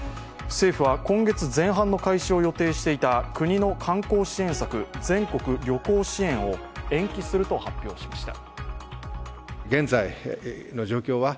政府は今月前半の開始を予定していた国の観光支援策、全国旅行支援を延期すると発表しました。